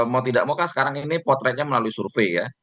mau tidak mau kan sekarang ini potretnya melalui survei ya